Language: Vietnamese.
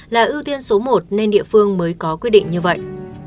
là ưu tiên số một nên địa phương mới có quyết định như vậy